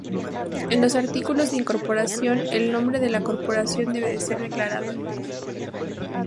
En los artículos de incorporación, el nombre de la corporación debe ser declarado.